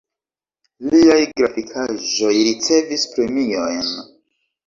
Liaj grafikaĵoj ricevis premiojn.